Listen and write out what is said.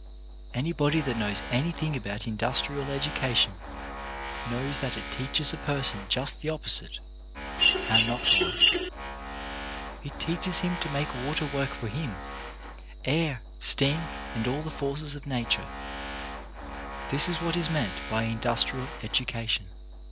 Anybody that knows anything about industrial education knows that it teaches a person just the opposite — how not to work. It teaches him to make water work for him, — air, steam, all the forces of nature. That is what is meant by industrial education.